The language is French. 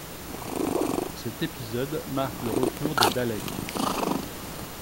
Cet épisode marque le retour des Daleks.